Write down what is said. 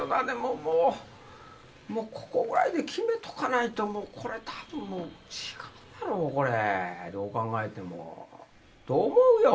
でももうここぐらいで決めとかないと多分違うやろこれどう考えても。